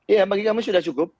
ya bagi kami sudah cukup